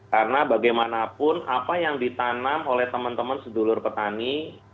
karena bagaimanapun apa yang ditanam oleh teman teman sedulur petani